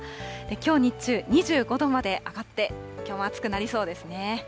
きょう日中、２５度まで上がって、きょうも暑くなりそうですね。